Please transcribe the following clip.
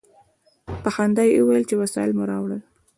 په خندا یې وویل چې وسایل مو راوړل.